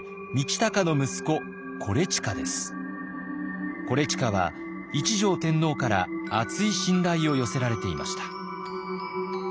伊周は一条天皇から厚い信頼を寄せられていました。